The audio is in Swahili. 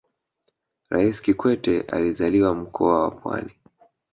raisi kikwete alizaliwa mkoa wa pwani